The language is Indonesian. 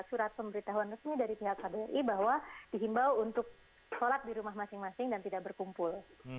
jadi sudah ada surat pemberitahuan resmi dari pihak kbri bahwa diimbau untuk sholat di rumah masing masing dan tidak berkumpul